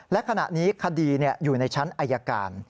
และขณะนี้คดีอยู่ในชั้นอายการ